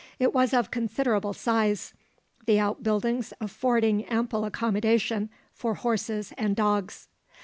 It was of considerable size, the outbuildings affording ample accommodation for horses and dogs.